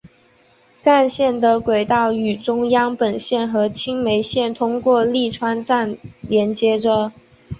干线的轨道与中央本线和青梅线通过立川站连接着。